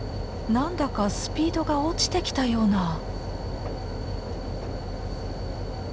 何だかスピードが落ちてきたような。